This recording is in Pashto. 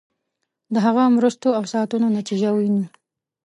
د هغه مرستو او ساتنو نتیجه وینو.